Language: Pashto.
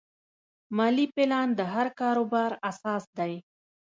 مالي پلان د هر کاروبار اساس دی.